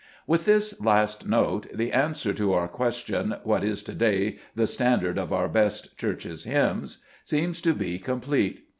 With this last note, the answer to our ques tion, What is to day the standard of our best Church hymns ? seems to be complete.